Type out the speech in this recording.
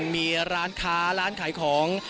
มีร้านค้าร้านขายของ